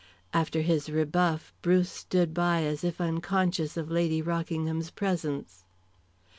After his rebuff Bruce stood by as if unconscious of Lady Rockingham's presence.